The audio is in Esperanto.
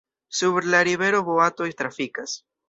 Sur la rivero boatoj trafikas.